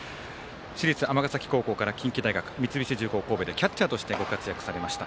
市立尼崎高校から近畿大学三菱重工神戸でキャッチャーとしてご活躍されました。